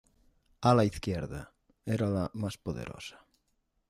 Ala izquierda: era la más poderosa.